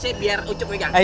saya biar ucup megang